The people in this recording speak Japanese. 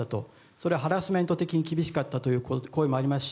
それはハラスメント的に厳しかったという声もあります